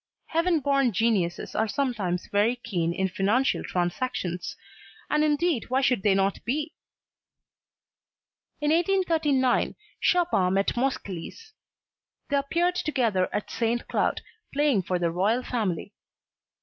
Heaven born geniuses are sometimes very keen in financial transactions, and indeed why should they not be? In 1839 Chopin met Moscheles. They appeared together at St. Cloud, playing for the royal family.